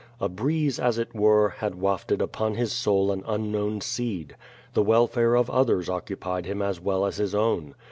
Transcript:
A breeze, as it were, had wafted upon his soul an unknown seed. The welfare of others oc cupied him as well as his own.